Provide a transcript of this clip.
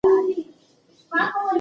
په نړۍ کي د زورواکۍ مخه ونیسئ.